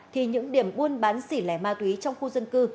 thì những điểm buôn bán xỉ lẻ ma túy trong khu dân cư